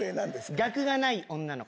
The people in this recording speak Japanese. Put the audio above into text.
学がない女の子。